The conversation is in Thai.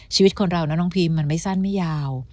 ชีวิตคนเรานะน้องพิมมันไม่สั้นไม่ยาว